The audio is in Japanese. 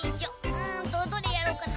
うんとどれやろうかな